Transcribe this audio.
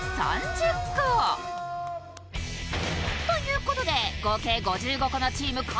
ということで合計５５個のチーム